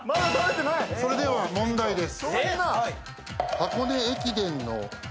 それでは問題です。